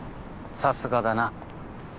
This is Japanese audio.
さすがだな。